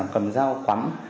cầm dao quắn